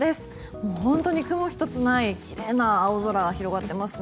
もう本当に雲一つない奇麗な青空が広がっていますね。